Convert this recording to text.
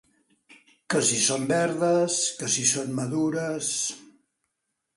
Que si són verdes, que si són madures.